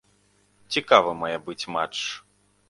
Цікавы мае быць матч.